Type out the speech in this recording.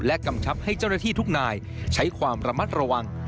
กำชับให้เจ้าหน้าที่ทุกนายใช้ความระมัดระวัง